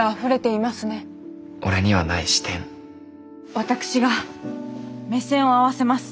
私が目線を合わせます。